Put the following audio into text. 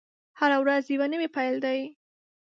هره ورځ یوه نوې پیل دی.